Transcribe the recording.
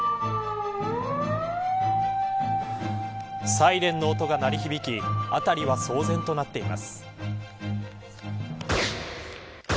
サイレンの音が鳴り響き辺りは騒然となっています。